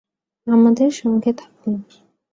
আমাদের সঙ্গে থাকুন